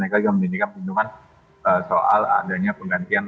mereka juga mendapatkan pendapatan soal adanya penggantian